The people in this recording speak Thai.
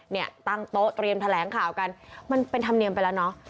เนี่ยตั้งโต๊ะเตรียมแถลงข่าวกันมันเป็นธรรมเนียมไปแล้วเนาะ